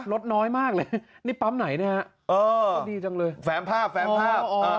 รถน้อยมากเลยนี่ปั๊มไหนเนี่ยฮะดีจังเลยแฟมภาพแฟมภาพ